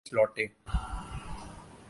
واپس لوٹے۔